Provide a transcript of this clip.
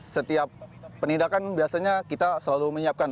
setiap penindakan biasanya kita selalu menyiapkan